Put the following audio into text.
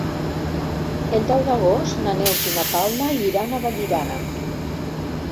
El deu d'agost na Neus i na Paula iran a Vallirana.